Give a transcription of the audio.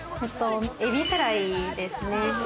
エビフライですね。